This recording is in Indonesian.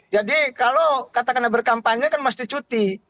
jadi kalau katakanlah berkampanye kan mesti cuti